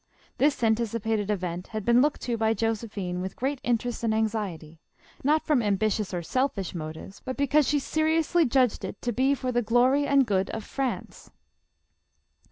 This anticipated event had been looked to by Jose jihiue with great interest and anxiety, not from am bitious or selfish motives, but because she seriously judged it to be for the glory and good of France, 246 JOSEPHINE.